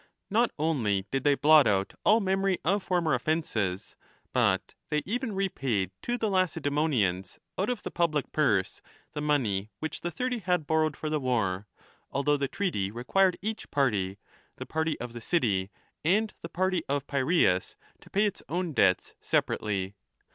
Not only did they blot out all memory of former offences, but they even repaid to the Lacedaemonians out of the public purse the money which the Thirty had borrowed for the war, although the treaty required each party, the party of the city and the party of Piraeus, to pay its own debts separately.